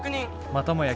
またもや